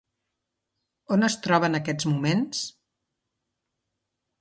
On es troba en aquests moments?